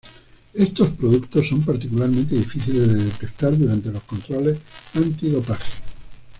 Estos productos son particularmente difíciles de detectar durante los controles antidopaje.